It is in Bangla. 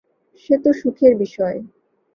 সে তো সুখের বিষয়।